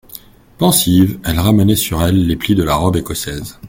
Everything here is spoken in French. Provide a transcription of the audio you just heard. Pensive, elle ramenait sur elle les plis de la robe écossaise.